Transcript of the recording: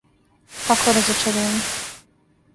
Какво разочарење!